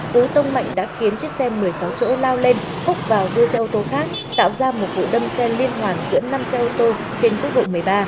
tứ tông mạnh đã khiến chiếc xe một mươi sáu chỗ lao lên húc vào đuôi xe ô tô khác tạo ra một vụ đâm xe liên hoàn giữa năm xe ô tô trên quốc lộ một mươi ba